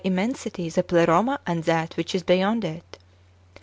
119 immensity the Pleroma and that which is beyond it.